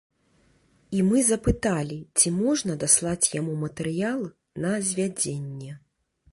І мы запыталі, ці можна даслаць яму матэрыял на звядзенне.